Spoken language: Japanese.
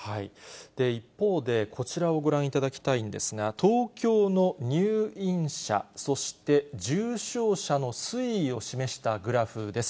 一方で、こちらをご覧いただきたいんですが、東京の入院者、そして重症者の推移を示したグラフです。